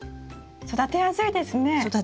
育てやすいですよ。